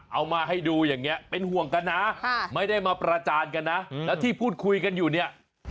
เอามาให้ดูอย่างนี้เป็นห่วงกันนะไม่ได้มาประจานกันนะแล้วที่พูดคุยกันอยู่เนี่ย